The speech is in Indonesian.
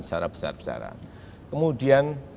secara besar besaran kemudian